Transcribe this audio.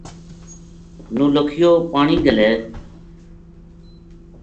نولکھیو پانی گھلے